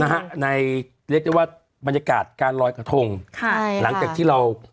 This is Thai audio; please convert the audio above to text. ในเรียกได้ว่าบรรยากาศการลอยกระทงค่ะหลังจากที่เรา